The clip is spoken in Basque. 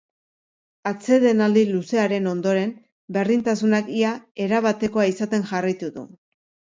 Atsedenaldi luzearen ondoren, berdintasunak ia erabatekoa izaten jarraitu du.